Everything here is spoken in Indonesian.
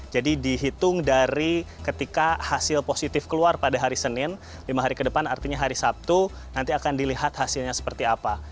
jadi dihitung dari ketika hasil positif keluar pada hari senin lima hari ke depan artinya hari sabtu nanti akan dilihat hasilnya seperti apa